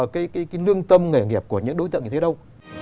cái lương tâm nghề nghiệp của những đối tượng như thế đâu